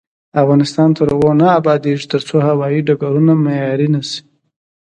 افغانستان تر هغو نه ابادیږي، ترڅو هوايي ډګرونه معیاري نشي.